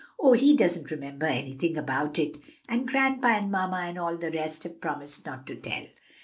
"Oh, he doesn't remember anything about it; and grandpa and mamma and all the rest have promised not to tell."